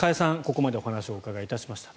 ここまでお話をお伺いしました。